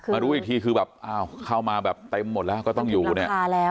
มารู้อีกทีคือแบบเข้ามาแบบเต็มหมดแล้วก็ต้องอยู่เนี่ย